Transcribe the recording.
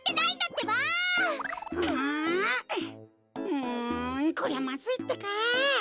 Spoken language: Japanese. うんこりゃまずいってか。